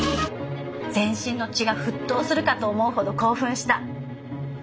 「全身の血が沸騰するかと思うほど興奮した」。